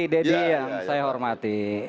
deddy yang saya hormati